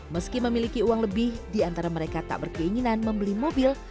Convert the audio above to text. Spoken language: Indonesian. meski memiliki uang lebih di antara mereka tak berkeinginan membeli mobil